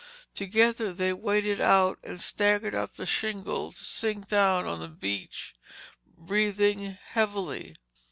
Together they waded out and staggered up the shingle to sink down on the sand breathing heavily.